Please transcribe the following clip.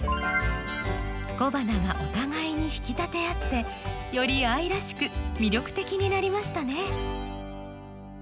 小花がお互いに引き立て合ってより愛らしく魅力的になりましたね。